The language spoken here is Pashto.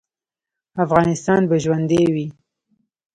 افغانستان به ژوندی وي